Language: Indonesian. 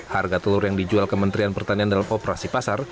harga telur yang dijual kementerian pertanian dalam operasi pasar